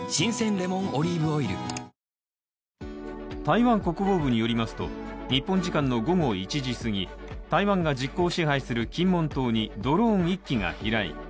台湾国防部によりますと日本時間の午後１時すぎ、台湾が実効支配する金門島にドローン１機が飛来。